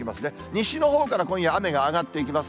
西のほうから今夜、雨が上がっていきます。